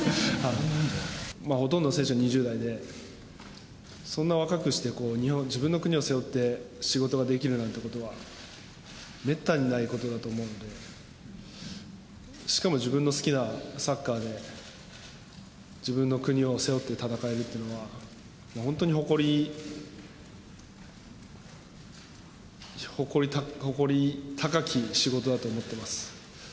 ほとんどの選手が２０代で、そんな若くしてこう、自分の国を背負って仕事ができるなんてことはめったにないことだと思うので、しかも自分の好きなサッカーで、自分の国を背負って戦うというのは、本当に誇り高き仕事だと思ってます。